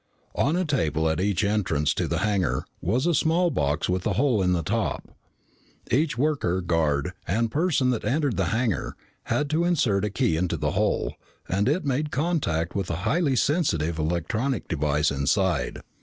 On a table at each entrance to the hangar was a small box with a hole in the top. Each worker, guard, and person that entered the hangar had to insert a key into the hole and it made contact with a highly sensitive electronic device inside.